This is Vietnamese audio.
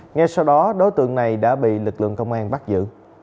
ngay sau đó đối tượng này đã bị lực lượng công an bắt giữ